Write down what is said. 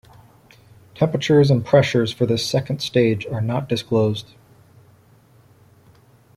Temperatures and pressures for this Second stage are not disclosed.